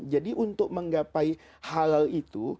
jadi untuk menggapai halal itu